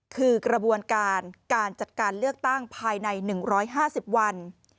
คือกระบวนการการจัดการเลือกตั้งภายใน๑๕๐วัน